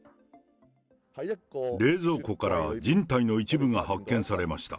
冷蔵庫から人体の一部が発見されました。